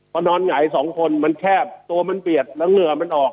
พอนอนหงายสองคนมันแคบตัวมันเปียกแล้วเหงื่อมันออก